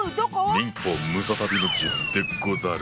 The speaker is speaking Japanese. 忍法ムササビの術でござる。